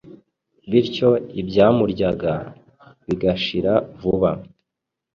bityo ibyamuryaga bigashira vuba